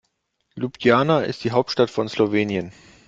Ljubljana ist die Hauptstadt von Slowenien.